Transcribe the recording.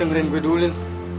dengarkan gue dulu lil